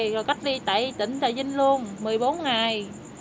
rồi cách đi tại tỉnh tài vinh luôn một mươi bốn ngày